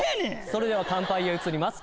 ・それでは乾杯へ移ります